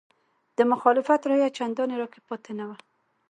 د مخالفت روحیه چندانې راکې پاتې نه وه.